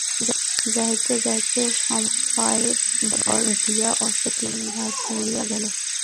যাইতে যাইতে সম্মুখের পায়ে ভর দিয়া অশ্ব তিন বার পড়িয়া গেল।